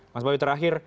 mas bobby terakhir